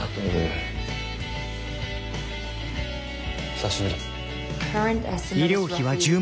久しぶり。